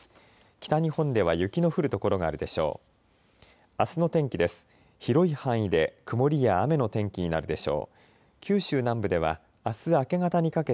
北日本では雪の降る所があるでしょう。